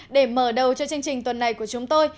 để mở đầu cho chương trình tuần này của chúng tôi